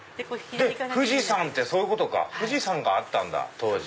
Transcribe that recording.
富士山ってそういうことか富士山があったんだ当時。